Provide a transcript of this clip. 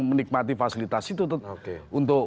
menikmati fasilitas itu untuk